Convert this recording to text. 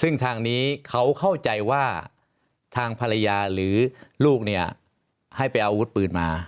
ซึ่งทางนี้เขาเข้าใจว่าทางภรรยาหรือลูกเนี่ยให้ไปเอาอาวุธปืนมา